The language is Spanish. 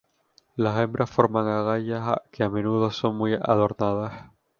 Las hembras forman agallas que a menudo son muy adornadas.